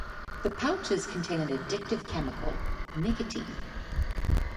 The pouches contain the addictive chemical nicotine.